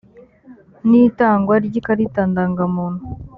n itangwa ry ikarita ndangamuntu